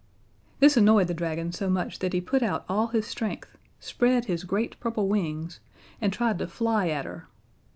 This annoyed the dragon so much that he put out all his strength spread his great purple wings, and tried to fly at her.